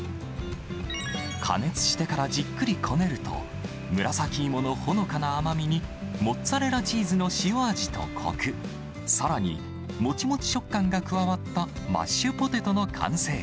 加熱してからじっくりこねると、紫芋のほのかな甘みに、モッツァレラチーズの塩味とこく、さらに、もちもち食感が加わったマッシュポテトの完成。